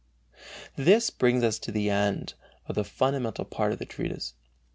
This brings us to the end of the fundamental part of the treatise.